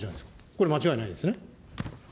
これ、間違いないですね。